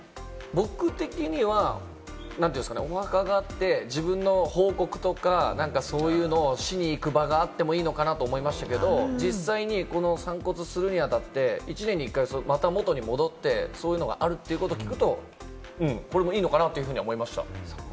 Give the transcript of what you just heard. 僕的にはお墓があって、自分の報告とか、そういうのをしに行く場があってもいいのかなと思いましたけど、実際に散骨するにあたって、１年に１回、また元に戻って、そういうのがあるっていうのを聞くと、これもいいのかなっていうふうには思いました。